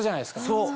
そう。